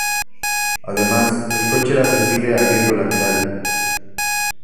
Además, el coche era sensible al viento lateral.